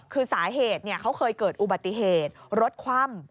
คือสาเหตุเขาเคยเกิดอุบัติเหตุรถคว่ำ